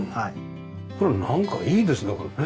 これなんかいいですねこれね。